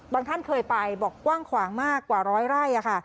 ท่านเคยไปบอกกว้างขวางมากกว่าร้อยไร่ค่ะ